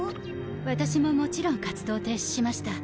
私ももちろん活動停止しました。